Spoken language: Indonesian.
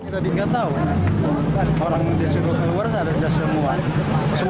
semuanya disuruh keluar oleh petugas